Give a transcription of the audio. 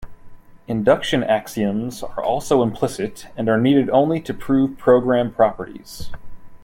Induction axioms are also implicit, and are needed only to prove program properties.